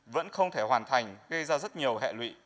vẫn không thể hoàn thành gây ra rất nhiều hệ lụy